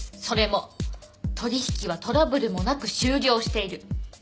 それも取引はトラブルもなく終了している。